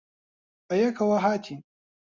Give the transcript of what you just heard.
بەیەکەوە ھاتین.